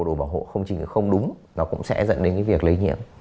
bộ đồ bảo hộ không chỉ là không đúng nó cũng sẽ dẫn đến cái việc lấy nhiễm